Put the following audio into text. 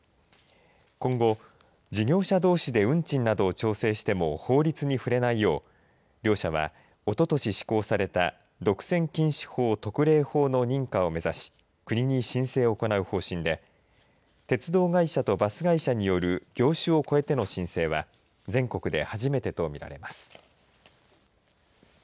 今後事業者どうしで運賃などを調整しても法律に触れないよう両社はおととし施行された独占禁止法特例法の認可を目指し国に申請を行う方針で鉄道会社とバス会社による業種を超えての申請は全国で初めてとみられます。